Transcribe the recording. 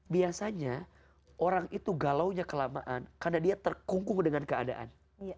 biasanya orang itu galaunya kelamaan karena dia terkungkung dengan keadaan